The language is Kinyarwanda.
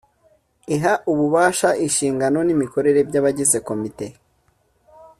iha ububasha inshingano n’imikorere by’abagize komite